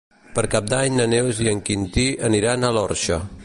Per Cap d'Any na Neus i en Quintí aniran a l'Orxa.